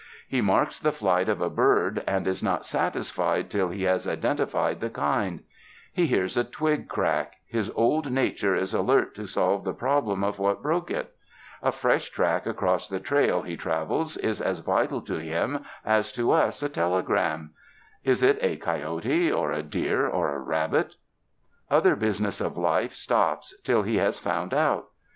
He marks the flight of a bird and is not satisfied till be has identified the kind; he hears a twig crack — his old nature is alert to solve the problem of wbat broke it; a fresh track across the trail he travels is as vital to him as to us a telegram — is it a coyote, or a deer or a rabbit ? Other business of life stops till he has found out.